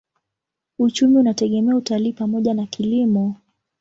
Uchumi unategemea utalii pamoja na kilimo.